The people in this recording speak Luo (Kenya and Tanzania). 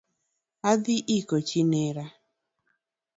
Adhi iko chi near